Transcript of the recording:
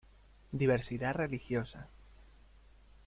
Diversidad Religiosa.